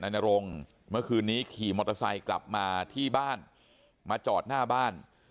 นรงเมื่อคืนนี้ขี่มอเตอร์ไซค์กลับมาที่บ้านมาจอดหน้าบ้าน